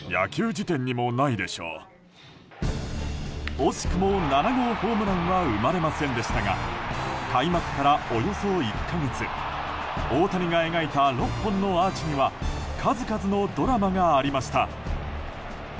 惜しくも、７号ホームランは生まれませんでしたが開幕からおよそ１か月大谷が描いた６本のアーチには数々のドラマがありました。